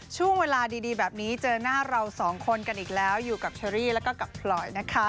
ช่วงเวลาดีแบบนี้เจอหน้าเราสองคนกันอีกแล้วอยู่กับเชอรี่แล้วก็กับพลอยนะคะ